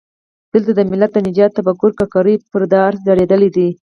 دلته د ملت د نجات تفکر ککرۍ پر دار ځړېدلي دي.